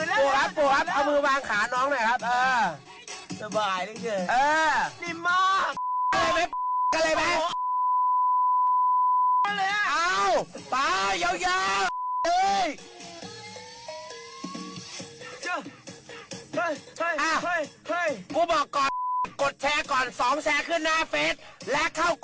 เอาแชร์แล้วแชร์แล้วแล้วเร็วเร็วเร็ว